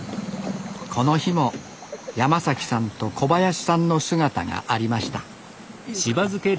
この日も山さんと小林さんの姿がありましたいいですか。